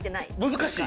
難しい？